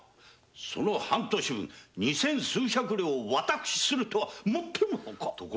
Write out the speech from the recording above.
その半年分二千数百両を私するとはもっての外！